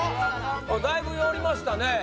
だいぶ寄りましたね